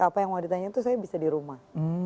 apa yang mau ditanya itu saya bisa di rumah